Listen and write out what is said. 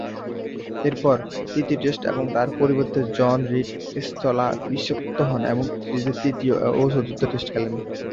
এরপর, তৃতীয় টেস্টে তার পরিবর্তে জন রিড স্থলাভিষিক্ত হন এবং সিরিজের তৃতীয় ও চতুর্থ টেস্টে খেলেন।